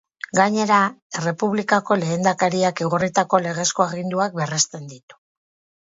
Gainera, Errepublikako Lehendakariak igorritako legezko aginduak berresten ditu.